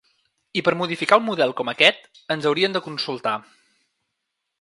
I per modificar un model com aquest, ens haurien de consultar.